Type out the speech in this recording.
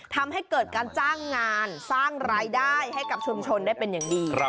ทำให้เกิดการจ้างงานสร้างรายได้ให้กับชุมชนได้เป็นอย่างดี